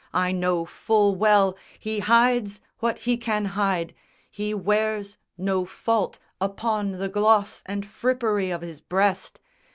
I know full well He hides what he can hide! He wears no fault Upon the gloss and frippery of his breast!